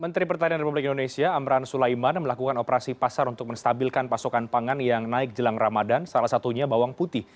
menteri pertanian republik indonesia amran sulaiman melakukan operasi pasar untuk menstabilkan pasokan pangan yang naik jelang ramadan salah satunya bawang putih